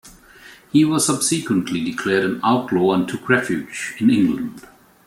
He was subsequently declared an outlaw and took refuge in England.